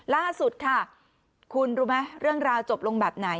ล่าสุดค่ะคุณรู้ไหมเรื่องราวจบลงแบบไหน